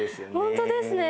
本当ですね！